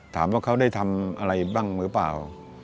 ถามว่าเขาได้ทำอะไรบ้างหรือเปล่า